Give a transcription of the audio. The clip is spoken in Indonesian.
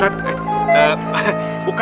bau pesing nyumpul ya